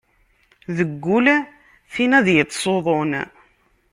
Deg ul tin ad yettṣuḍun.